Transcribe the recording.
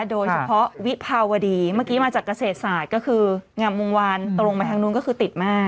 โดยเฉพาะวิภาวดีเมื่อกี้มาจากเกษตรศาสตร์ก็คืองามวงวานตรงไปทางนู้นก็คือติดมาก